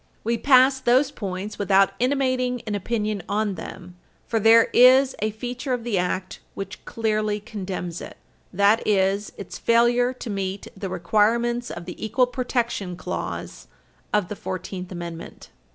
We pass those points without intimating an opinion on them, for there is a feature of the Act which clearly condemns it. That is its failure to meet the requirements of the equal protection clause of the Fourteenth Amendment.